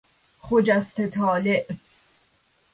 خجسته طالع